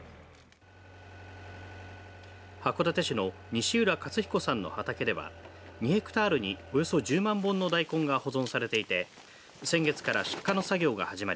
函館市の西浦克彦さんの畑では２ヘクタールにおよそ１０万本の大根が保存されていて先月から出荷の作業が始まり